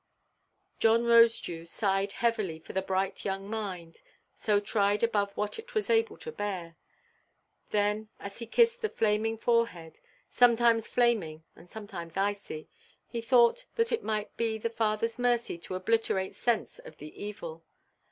John Rosedew sighed heavily for the bright young mind, so tried above what it was able to bear; then, as he kissed the flaming forehead—sometimes flaming and sometimes icy—he thought that it might be the Fatherʼs mercy to obliterate sense of the evil.